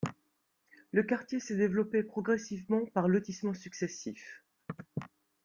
Le quartier s'est développé progressivement par lotissements successifs.